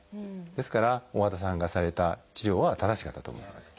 ですから大和田さんがされた治療は正しかったと思います。